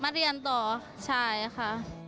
เรียนต่อใช่ค่ะ